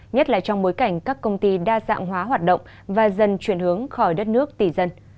nhất là trong bối cảnh các công ty đa dạng hóa hoạt động và dần chuyển hướng khỏi đất nước tỷ dân